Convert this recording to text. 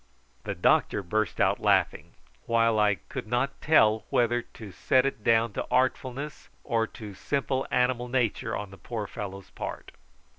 The doctor burst out laughing, while I could not tell whether to set it down to artfulness or to simple animal nature on the poor fellow's part.